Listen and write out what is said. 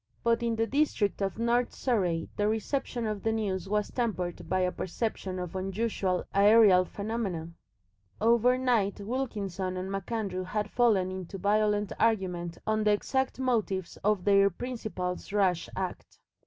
But in the district of North Surrey the reception of the news was tempered by a perception of unusual aerial phenomena. Overnight Wilkinson and MacAndrew had fallen into violent argument on the exact motives of their principal's rash act.